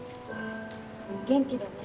元気でね。